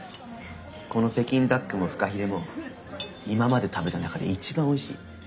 この北京ダックもフカヒレも今まで食べた中で一番おいしい。